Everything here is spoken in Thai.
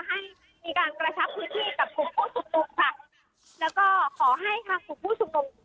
ให้มีการกระชับพื้นที่กับผู้สุดทนค่ะแล้วก็ขอให้ค่ะผู้สุดทน